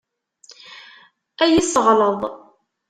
Ad iyi-yesseɣleḍ.